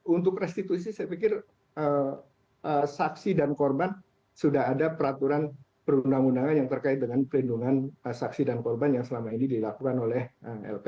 untuk restitusi saya pikir saksi dan korban sudah ada peraturan perundang undangan yang terkait dengan perlindungan saksi dan korban yang selama ini dilakukan oleh lps